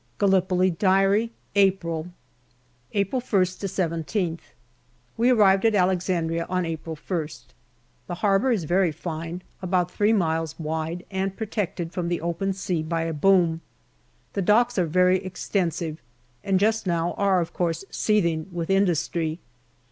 GALLIPOLI DIARY APRIL April 1st to 17th. WE arrived at Alexandria on April ist. The harbour is very fine, about three miles wide, and protected from the open sea by a boom. The docks are very extensive, and, just now, are of course seething with industry.